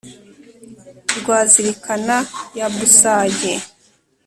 rwa zirikana ya busage